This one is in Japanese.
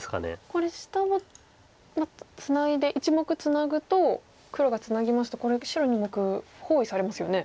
これ下をツナいで１目ツナぐと黒がツナぎますとこれ白２目包囲されますよね。